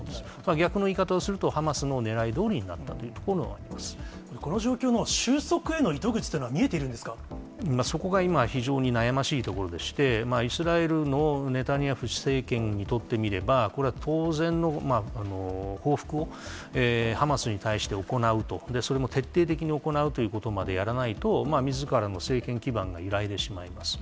逆の言い方をすると、ハマスのねらいどおりになったというところこの状況の収束への糸口といそこが今、非常に悩ましいところでして、イスラエルのネタニヤフ政権にとってみれば、これは当然の報復を、ハマスに対して行うと、それも徹底的に行うということまでやらないと、みずからの政権基盤が揺らいでしまいます。